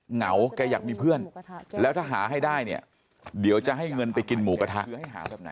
เหงาแกอยากมีเพื่อนแล้วถ้าหาให้ได้เนี่ยเดี๋ยวจะให้เงินไปกินหมูกระทะ